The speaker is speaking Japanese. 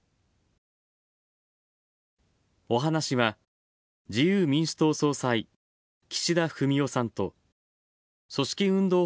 お話しは、自由民主党総裁岸田文雄さんと、組織運動